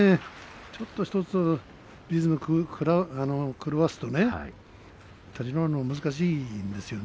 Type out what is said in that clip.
ちょっと１つリズムが狂うと立ち直るのが難しいんですよね。